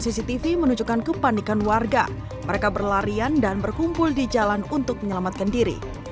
cctv menunjukkan kepanikan warga mereka berlarian dan berkumpul di jalan untuk menyelamatkan diri